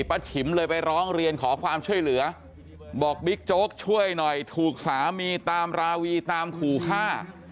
ฉิมเลยไปร้องเรียนขอความช่วยเหลือบอกบิ๊กโจ๊กช่วยหน่อยถูกสามีตามราวีตามขู่ฆ่า